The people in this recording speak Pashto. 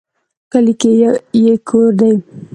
کلي کې یې کور دی